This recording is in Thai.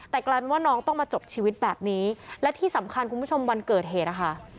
แต่กลายเป็นว่าน้องต้องมาจบชีวิตแบบนี้และที่สำคัญคุณผู้ชมวันเกิดเหตุนะคะ